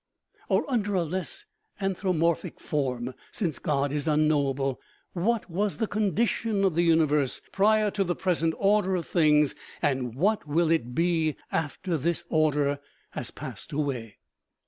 Or, under a less anthro morphic form, since God is unknowable :" What was the condition of the universe prior to the present order of things, and what will it be after this order has passed away